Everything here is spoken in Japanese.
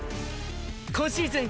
今シーズン